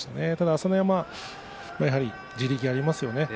朝乃山は地力がありますよね。